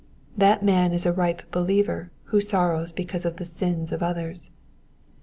That man is a ripe believer who sorrows because of the sins of others.